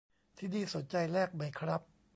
ที่นี่ สนใจแลกไหมครับ